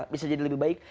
bisa jadi lebih baik